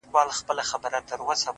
• اخ تر خوله دي سم قربان زويه هوښياره ,